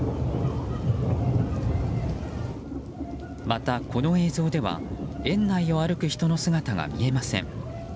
また、この映像では園内を歩く人の姿が見えません。